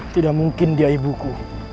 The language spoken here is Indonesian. tidak mungkin dia ibuku